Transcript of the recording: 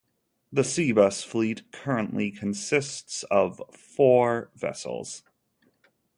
The SeaBus fleet currently consists of four vessels.